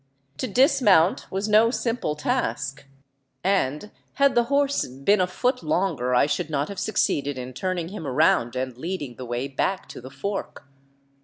To dismount was no simple task, and had the horse been a foot longer I should not have succeeded in turning him around and leading the way back to the fork.